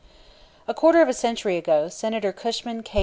A quarter of a century ago, Senator Cushman K.